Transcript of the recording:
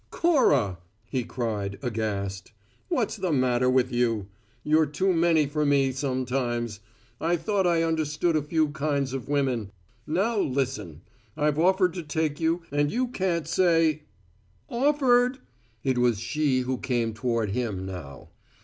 "Cora," he cried, aghast, "what's the matter with you? You're too many for me sometimes. I thought I understood a few kinds of women! Now listen: I've offered to take you, and you can't say " "Offered!" It was she who came toward him now.